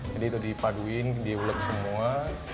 jadi itu dipaduin diulek semua